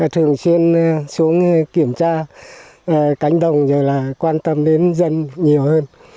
thường xuyên xuống kiểm tra cánh đồng quan tâm đến dân nhiều hơn